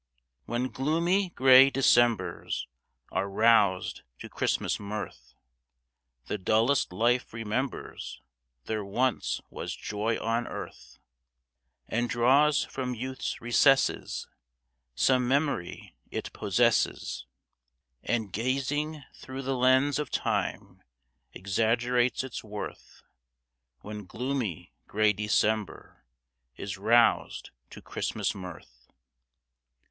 When gloomy, gray Decembers are roused to Christmas mirth, The dullest life remembers there once was joy on earth, And draws from youth's recesses Some memory it possesses, And, gazing through the lens of time, exaggerates its worth, When gloomy, gray December is roused to Christmas mirth.